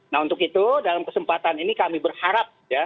nah untuk itu dalam kesempatan ini kami berharap ya